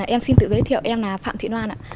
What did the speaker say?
em xin tự giới thiệu em là phạm thị loan ạ